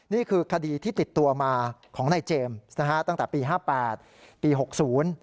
นี่คือคดีที่ติดตัวมาของนายเจมส์นะฮะตั้งแต่ปีห้าแปดปีหกศูนย์